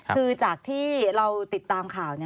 คือจากที่เราติดตามข่าว